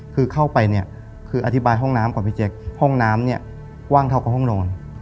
คือเข้าไปเนี่ยคืออธิบายห้องน้ำก่อนพี่แจ๊คห้องน้ำเนี่ยกว้างเท่ากับห้องนอน